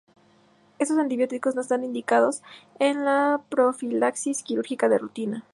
Estos antibióticos no están indicados en la profilaxis quirúrgica de rutina.